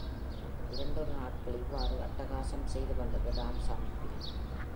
இரண்டொரு நாட்கள் இவ்வாறு அட்ட காசம் செய்து வந்தது ராமசாமிப் பேய்.